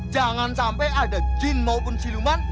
jangan sampai ada jin maupun siluman